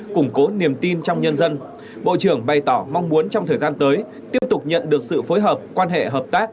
củng cố niềm tin trong nhân dân bộ trưởng bày tỏ mong muốn trong thời gian tới tiếp tục nhận được sự phối hợp quan hệ hợp tác